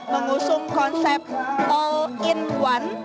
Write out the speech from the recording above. mengusung konsep all in one